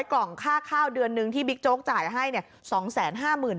๒๐๐กล่องค่าข้าวเดือนนึงที่บิ๊กโจ๊กจ่ายให้เนี่ย